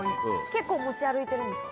結構持ち歩いてるんですか？